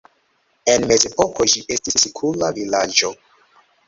En mezepoko ĝi estis sikula vilaĝo.